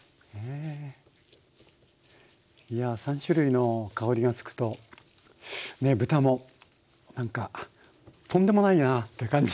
いやぁ３種類の香りがつくとねえ豚もなんか「豚でもないな」って感じ。